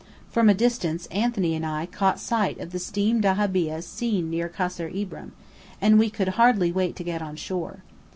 From a distance Anthony and I caught sight of the steam dahabeah seen near Kasr Ibrim, and we could hardly wait to get on shore.